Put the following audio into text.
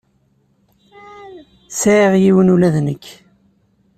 Sɛiɣ yiwen ula d nekk.